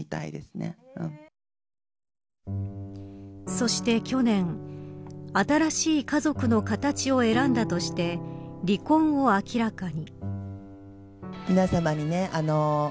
そして去年新しい家族の形を選んだとして離婚を明らかに。